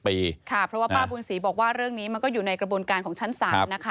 เพราะว่าป้าบุญศรีบอกว่าเรื่องนี้มันก็อยู่ในกระบวนการของชั้นศาลนะคะ